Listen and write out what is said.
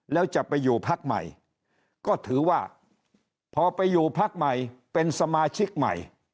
แล้วจะไปอยู่พักใหม่ก็ถือว่าพอไปอยู่พักใหม่เป็นสมาชิกใหม่